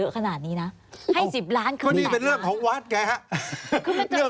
ก็นี่เป็นเรื่องของวัดแก